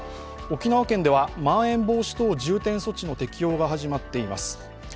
沖縄県ではまん延防止等重点措置の適用が始まっています。